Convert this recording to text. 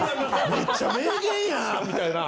めっちゃ名言やん！みたいな。